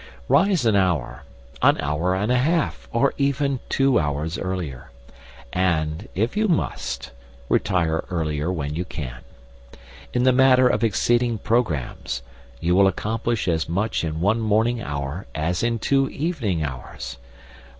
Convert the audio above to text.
Rise an hour, an hour and a half, or even two hours earlier; and if you must retire earlier when you can. In the matter of exceeding programmes, you will accomplish as much in one morning hour as in two evening hours.